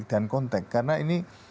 dan kontak karena ini